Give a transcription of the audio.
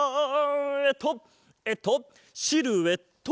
えっとえっとシルエット！